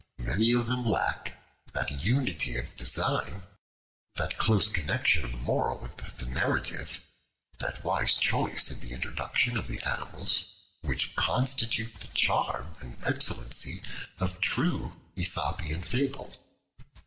Many of them lack that unity of design, that close connection of the moral with the narrative, that wise choice in the introduction of the animals, which constitute the charm and excellency of true Aesopian fable.